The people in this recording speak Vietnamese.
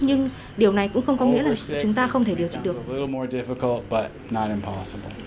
nhưng điều này cũng không có nghĩa là chúng ta không có thể trả lời cho các bạn